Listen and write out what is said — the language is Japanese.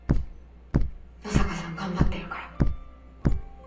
野坂さん頑張ってるから。